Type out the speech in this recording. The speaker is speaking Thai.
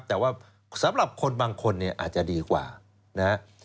แต่ว่าสำหรับคนบางคนเนี่ยอาจจะดีกว่านะครับ